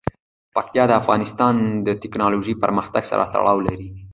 پکتیا د افغانستان د تکنالوژۍ پرمختګ سره تړاو لري.